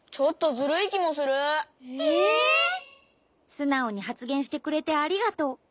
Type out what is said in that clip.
すなおにはつげんしてくれてありがとう。